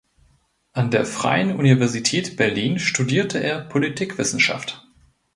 An der Freien Universität Berlin studierte er Politikwissenschaft.